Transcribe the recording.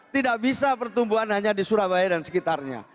tidak bisa pertumbuhan hanya di surabaya dan sekitarnya